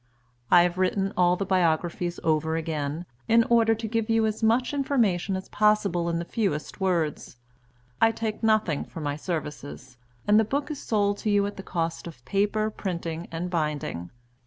I have written all the biographies over again, in order to give you as much information as possible in the fewest words. I take nothing for my services; and the book is sold to you at the cost of paper, printing, and binding.